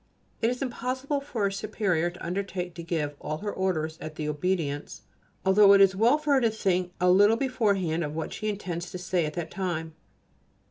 It is impossible for a superior to undertake to give all her orders at the Obedience[A] although it is well for her to think a little beforehand of what she intends to say at that time.